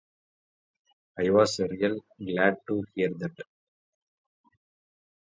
I was real glad to hear it.